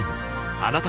あなたも